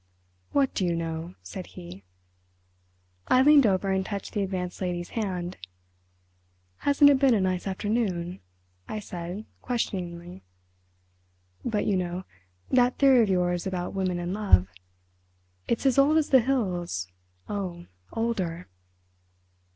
"What do you know?" said he. I leaned over and touched the Advanced Lady's hand. "Hasn't it been a nice afternoon?" I said questioningly. "But you know, that theory of yours about women and Love—it's as old as the hills—oh, older!"